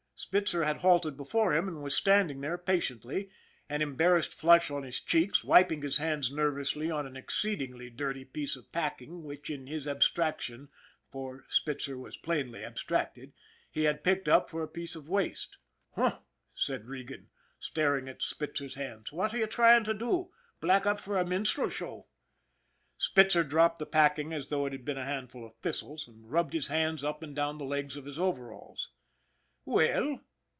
Spitzer had halted before him and was standing there patiently, an embarrassed flush on his cheeks, wiping his hands nervously on an exceedingly dirty piece of packing which in his abstraction, for Spitzer was plainly abstracted, he had picked up for a piece of waste. " Huh !" said Regan, staring at Spitzer's hands, " what you trying to do ? Black up for a minstrel show?" Spitzer dropped the packing as though it had been a handful of thistles, and rubbed his hands up and down the legs of his overalls. "Well?"